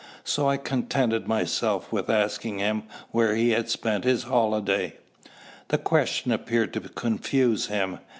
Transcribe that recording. So I contented myself with asking him where he had spent his holiday. The question appeared to confuse him.